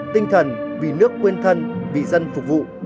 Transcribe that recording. tinh thần vì nước quên thân vì dân phục vụ